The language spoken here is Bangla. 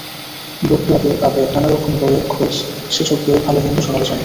বুক ক্লাবে পাবে নানা রকম বইয়ের খোঁজ, সেসব বইয়ের ভালো-মন্দ সমালোচনা।